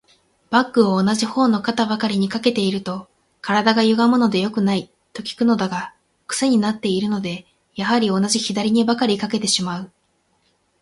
バッグを同じ方の肩ばかりに掛けていると、体がゆがむので良くない、と聞くのだが、クセになっているので、やはり同じ左にばかり掛けてしまう。